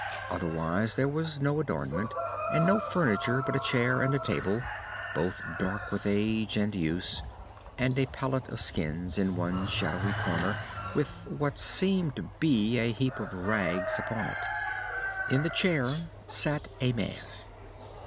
Otherwise there was no adornment, and no furniture but a chair and a table, both dark with age and use, and a pallet of skins in one shadowy corner with what seemed to be a heap of rags upon it. In the chair sat a man.